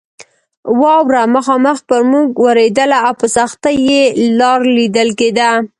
واوره مخامخ پر موږ ورېدله او په سختۍ لار لیدل کېده.